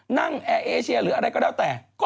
แอร์เอเชียหรืออะไรก็แล้วแต่